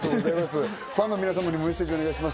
ファンの皆様にメッセージをお願いします。